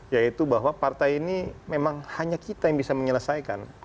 yaitu bahwa partai ini memang hanya kita yang bisa menyelesaikan